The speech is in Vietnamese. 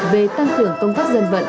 về tăng cường công tác dân vận